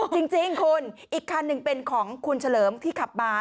จริงคุณอีกคันหนึ่งเป็นของคุณเฉลิมที่ขับมา